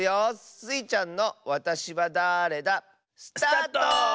スイちゃんの「わたしはだれだ？」。スタート！